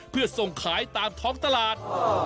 เพื่อส่งขายตามท้องตลาด